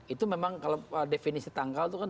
itu memang kalau definisi tanggal itu kan